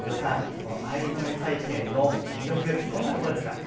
藍染め体験の魅力どんなところですか？